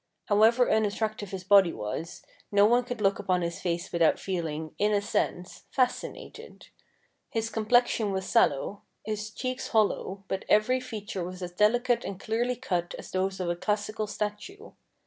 However unattractive his body was, no one could look upon his face without feeling, in a sense, fascinated. His complexion was sallow, his cheeks hollow, but every feature was as delicately and clearly cut as those of a classical statue.